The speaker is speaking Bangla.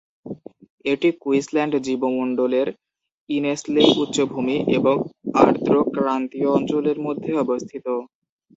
এটি কুইন্সল্যান্ড জীবমণ্ডলের ইনেসলেই উচ্চভূমি এবং আর্দ্র ক্রান্তীয় অঞ্চলের মধ্যে অবস্থিত।